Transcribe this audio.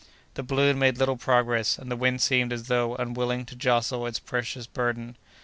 The balloon made little progress, and the wind seemed as though unwilling to jostle its precious burden.